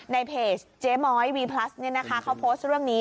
ในเพจเจ๊ม้อยวีพลัสเขาโพสต์เรื่องนี้